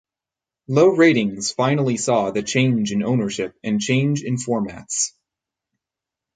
Low ratings finally saw the change in ownership and change in formats.